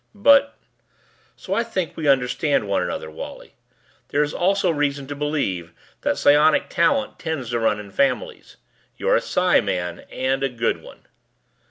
"But " "So I think we understand one another, Wally. There is also reason to believe that psionic talent tends to run in families. You're a psi man and a good one."